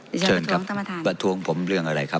ดิฉันประท้วงท่านประทานค่ะเชิญครับประท้วงผมเรื่องอะไรครับ